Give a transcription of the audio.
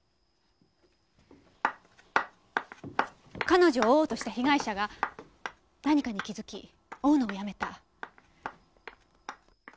彼女を追おうとした被害者が何かに気づき追うのをやめた。